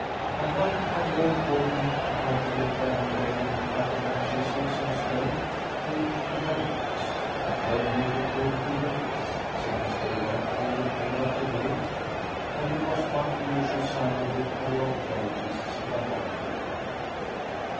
A hum of low talking, accompanied by the irregular tapping of chisels on stone, came to their ears, though they took no heed of this, since they worked here day after day, and it was but the usual sound of the paleontologists' laboratory.